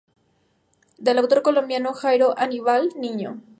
Del Autor Colombiano, Jairo Aníbal Niño.